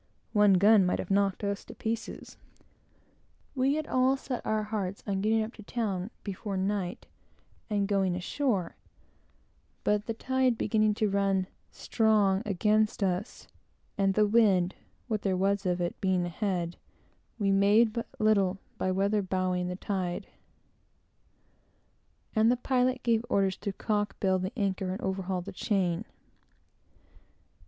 One gun might have knocked us to pieces. We had all set our hearts upon getting up to town before night and going ashore, but the tide beginning to run strong against us, and the wind, what there was of it, being ahead, we made but little by weather bowing the tide, and the pilot gave orders to cock bill the anchor and overhaul the chain.